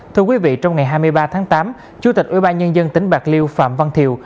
thưa quý vị trong ngày hai mươi ba tháng tám chủ tịch ubnd tỉnh bạc liêu phạm văn thiều